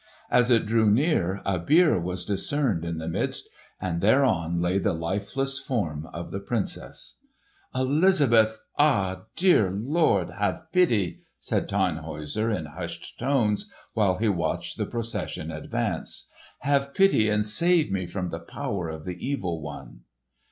As it drew near a bier was discerned in the midst, and thereon lay the lifeless form of the Princess. "Elizabeth! Ah, dear Lord have pity!" said Tannhäuser in hushed tones while he watched the procession advance. "Have pity and save me from the power of the evil one!"